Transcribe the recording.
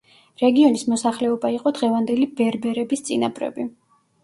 რეგიონის მოსახლეობა იყო დღევანდელი ბერბერების წინაპრები.